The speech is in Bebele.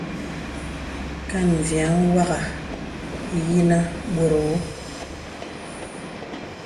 Kan mvìəŋ wàghà ayìnə bɔ̄t ōō.